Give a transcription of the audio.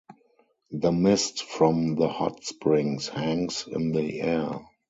The mist from the hot springs hangs in the air.